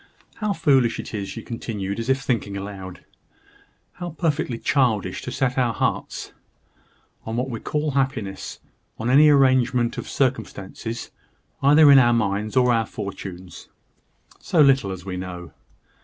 How foolish it is," she continued, as if thinking aloud, "how perfectly childish to set our hearts on what we call happiness, on any arrangement of circumstances, either in our minds or our fortunes so little as we know!